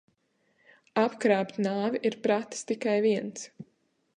Apkrāpt nāvi ir pratis tikai viens.